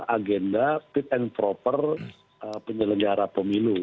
agenda fit and proper penyelenggara pemilu